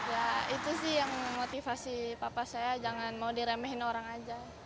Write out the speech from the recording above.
ya itu sih yang motivasi papa saya jangan mau diremehin orang aja